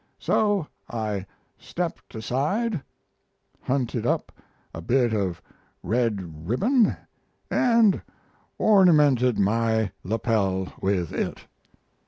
So I stepped aside, hunted up a bit of red ribbon, and ornamented my lapel with it.